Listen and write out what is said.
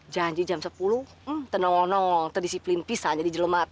janji jam sepuluh n villers mabagis arena diuh